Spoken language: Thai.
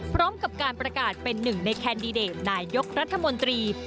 พร้อมกับการประกาศเป็นหนึ่งในแคนดิเดตนายกรัฐมนตรี